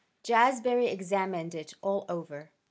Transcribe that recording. Jazbury examined it all over.